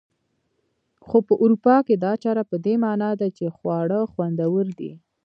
خو په اروپا کې دا چاره په دې مانا ده چې خواړه خوندور دي.